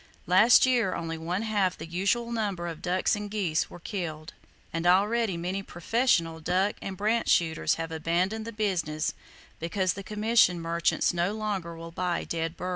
Last year only one half the usual number of ducks and geese were killed; and already many "professional" duck and brant shooters have abandoned the business because the commission merchants no longer will buy dead birds.